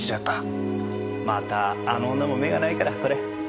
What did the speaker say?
またあの女も目がないからこれ。